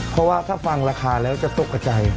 เพราะว่าถ้าฟังราคาแล้วจะตกกระใจ